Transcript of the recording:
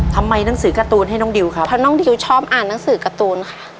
ทำไมหนังสือการ์ตูนให้น้องดิวครับเพราะน้องดิวชอบอ่านหนังสือการ์ตูนค่ะ